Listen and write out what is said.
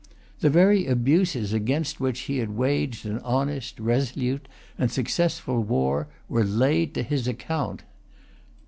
The very abuses against which he had waged an honest, resolute, and successful war were laid to his account.